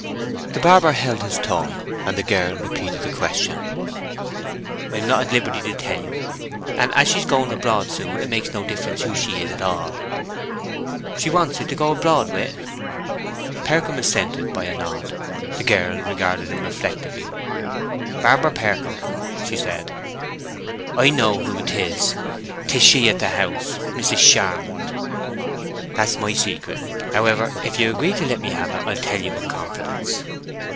The barber held his tongue, and the girl repeated the question. "I am not at liberty to tell you. And as she is going abroad soon it makes no difference who she is at all." "She wants it to go abroad wi'?" Percombe assented by a nod. The girl regarded him reflectively. "Barber Percombe," she said, "I know who 'tis. 'Tis she at the House—Mrs. Charmond!" "That's my secret. However, if you agree to let me have it, I'll tell you in confidence."